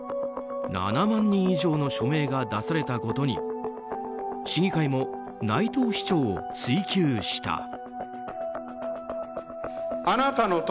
７万人以上の署名が出されたことに市議会も内藤市長を追及した。